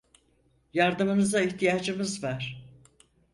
Yardımınıza ihtiyacımız var.